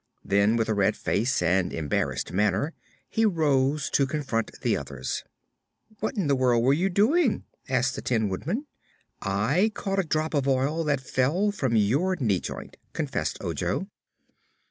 Then, with a red face and embarrassed manner, he rose to confront the others. "What in the world were you doing?" asked the Tin Woodman. "I caught a drop of oil that fell from your knee joint," confessed Ojo.